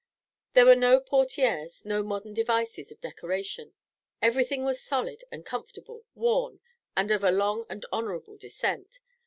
There were no portieres, no modern devices of decoration. Everything was solid and comfortable, worn, and of a long and honourable descent.